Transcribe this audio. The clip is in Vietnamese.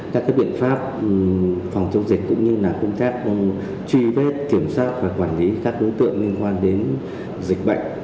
các biện pháp phòng chống dịch cũng như là công tác truy vết kiểm soát và quản lý các đối tượng liên quan đến dịch bệnh